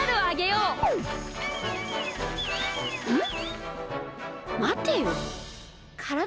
うん！